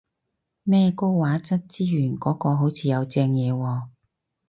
咩高畫質資源嗰個好似有正嘢喎